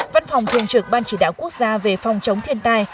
văn phòng thường trực ban chỉ đạo quốc gia về phòng chống thiên tai